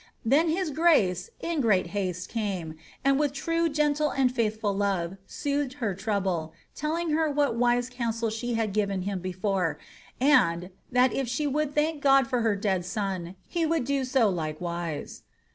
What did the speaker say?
Then his grace in great haste came, and with true gende and faithful love soothed her trouble, telling her what wise counsel she had given him before, and ^ that, if she would thank God for her dead son, he would do so like wise.'